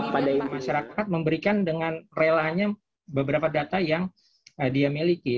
pada masyarakat memberikan dengan relanya beberapa data yang dia miliki